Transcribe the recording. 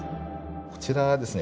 こちらはですね